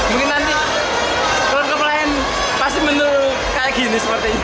mungkin nanti kelompok lain pasti menurut kayak gini sepertinya